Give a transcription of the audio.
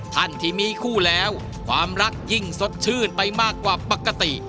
ท่านที่มีคู่แล้วความรักยิ่งสดชื่นไปมากกว่าปกติ